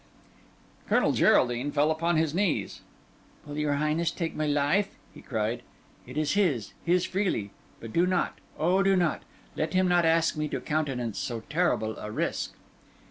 Colonel Geraldine fell upon his knees. "Will your Highness take my life?" he cried. "It is his—his freely; but do not, O do not! let him ask me to countenance so terrible a risk."